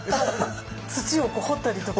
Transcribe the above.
土を掘ったりとか。